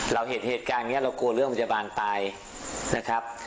เราเห็นเหตุการณ์นี้เรากลัวเรื่องมันจะบานปลายนะครับ